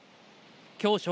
きょう正